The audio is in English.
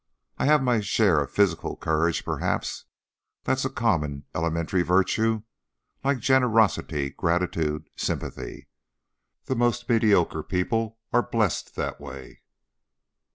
I have my share of physical courage, perhaps; that's a common, elementary virtue, like generosity, gratitude, sympathy. The most mediocre people are blessed that way."